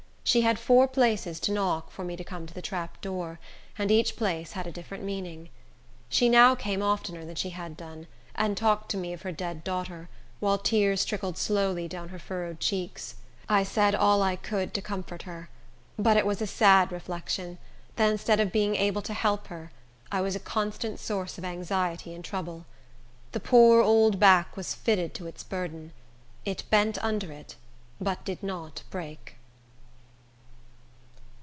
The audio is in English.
She had four places to knock for me to come to the trap door, and each place had a different meaning. She now came oftener than she had done, and talked to me of her dead daughter, while tears trickled slowly down her furrowed cheeks. I said all I could to comfort her; but it was a sad reflection, that instead of being able to help her, I was a constant source of anxiety and trouble. The poor old back was fitted to its burden. It bent under it, but did not break.